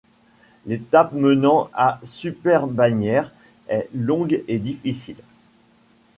L’étape menant à Superbagnères est longue et difficile.